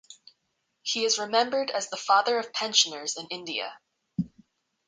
He is remembered as the father of pensioners in India.